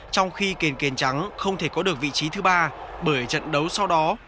trong khi kiền kiền trắng không thể có được vị trí thứ ba bởi trận đấu sau đó